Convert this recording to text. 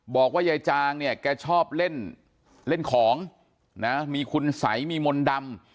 บอกว่ายายจางเนี่ยแกชอบเล่นเล่นของนะมีคุณสัยมีมนต์ดำ